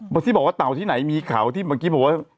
ที่บอกว่าเต่าที่ไหนมีเขาที่เมื่อกี้บอกว่า